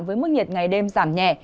với mức nhiệt ngày đêm giảm nhẹ